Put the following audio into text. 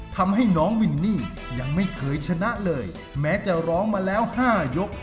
ทำให้น้องวินนี่ยังไม่เคยชนะเลยแม้จะร้องมาแล้ว๕ยก